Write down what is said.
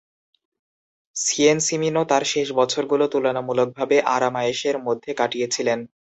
সিয়েনসিমিনো তার শেষ বছরগুলো তুলনামূলকভাবে আরামআয়েশের মধ্যে কাটিয়েছিলেন।